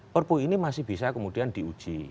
perpu ini masih bisa kemudian diuji